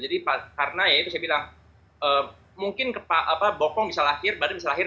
jadi karena ya itu saya bilang mungkin bokong bisa lahir badan bisa lahir